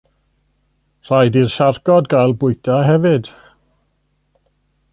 Rhaid i'r siarcod gael bwyta hefyd.